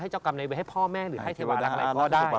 ให้เจ้ากรรมในบริเวณให้พ่อแม่หรือให้เทวารักอะไรก็ได้